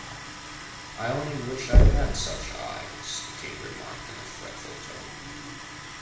‘I only wish I had such eyes,’ the King remarked in a fretful tone.